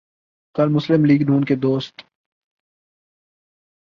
کل مسلم لیگ ن کے دوست